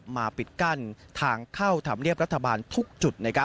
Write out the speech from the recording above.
ปิดกั้นทางเข้าธรรมเนียบรัฐบาลทุกจุด